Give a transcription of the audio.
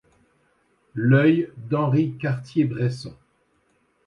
L'œil d'Henri Cartier-Bresson.